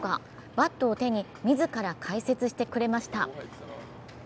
バットを手に自ら解説してくれました。